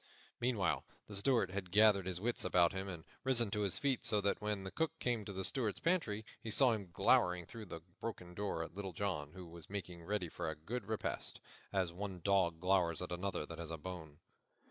Meanwhile the Steward had gathered his wits about him and risen to his feet, so that when the Cook came to the Steward's pantry he saw him glowering through the broken door at Little John, who was making ready for a good repast, as one dog glowers at another that has a bone.